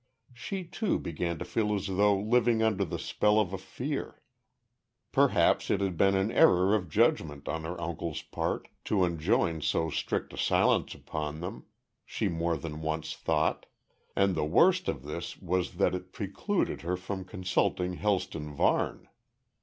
She, too, began to feel as though living under the spell of a fear. Perhaps it had been an error of judgment on her uncle's part, to enjoin so strict a silence upon them, she more than once thought and the worst of this was that it precluded her from consulting Helston Varne.